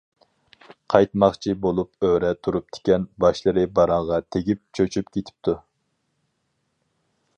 قايتماقچى بولۇپ ئۆرە تۇرۇپتىكەن، باشلىرى باراڭغا تېگىپ چۆچۈپ كېتىپتۇ.